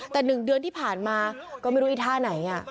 แต่๑เดือนที่ผ่านมาก็ไม่รู้อีท่าไหน